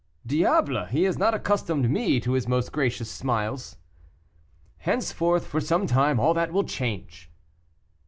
"Diable! he has not accustomed me to his most gracious smiles." "Henceforth, for some time, all that will change."